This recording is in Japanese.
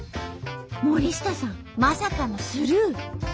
森下さんまさかのスルー。